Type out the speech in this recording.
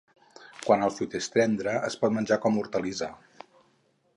Quan el fruit és tendre es pot menjar com a hortalissa.